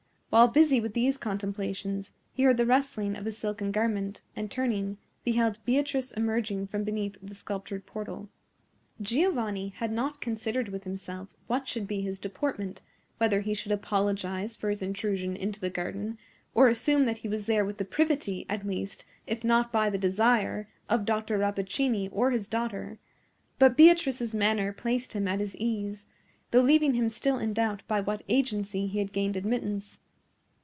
While busy with these contemplations he heard the rustling of a silken garment, and, turning, beheld Beatrice emerging from beneath the sculptured portal. Giovanni had not considered with himself what should be his deportment; whether he should apologize for his intrusion into the garden, or assume that he was there with the privity at least, if not by the desire, of Dr. Rappaccini or his daughter; but Beatrice's manner placed him at his ease, though leaving him still in doubt by what agency he had gained admittance.